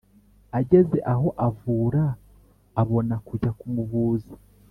ageze aho avura, abona kujya kumuvuza.